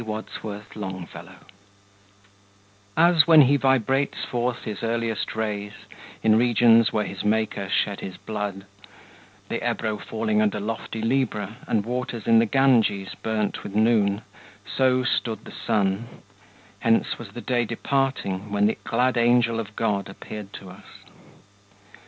Purgatorio: Canto XXVII As when he vibrates forth his earliest rays, In regions where his Maker shed his blood, (The Ebro falling under lofty Libra, And waters in the Ganges burnt with noon,) So stood the Sun; hence was the day departing, When the glad Angel of God appeared to us.